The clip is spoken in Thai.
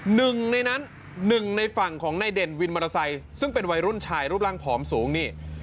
หนึ่งในนั้นหนึ่งในฝั่งของนายเด่นวินมอเตอร์ไซค์ซึ่งเป็นวัยรุ่นชายรูปร่างผอมสูงนี่